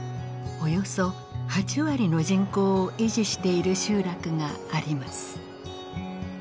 およそ８割の人口を維持している集落があります。